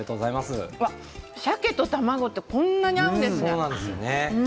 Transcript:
さけと卵ってこんなに合うんですね。